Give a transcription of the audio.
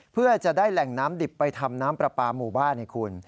เพื่อจะได้แหล่งน้ำดิบไปทำน้ำปลาปลาหมู่บ้านให้คุณ